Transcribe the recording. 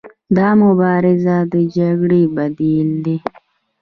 دا مبارزه د جګړې بدیل دی.